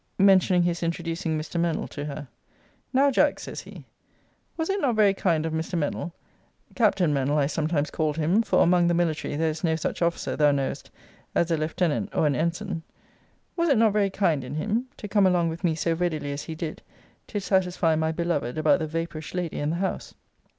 Mentioning his introducing Mr. Mennell to her,] Now, Jack, says he, was it not very kind of Mr. Mennell [Captain Mennell I sometimes called him; for among the military there is no such officer, thou knowest, as a lieutenant, or an ensign was it not very kind in him] to come along with me so readily as he did, to satisfy my beloved about the vapourish lady and the house?